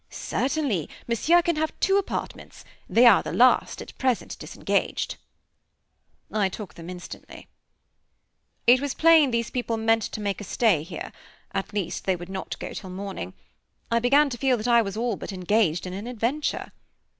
"Certainly, Monsieur can have two apartments. They are the last at present disengaged." I took them instantly. It was plain these people meant to make a stay here; at least they would not go till morning. I began to feel that I was all but engaged in an adventure.